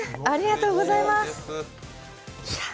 ありがとうございます